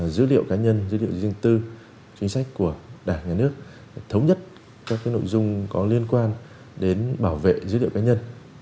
dữ liệu cá nhân dữ liệu riêng tư chính sách của đảng nhà nước thống nhất các nội dung có liên quan đến bảo vệ dữ liệu cá nhân